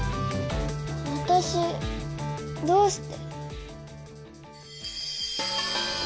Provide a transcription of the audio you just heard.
わたしどうして？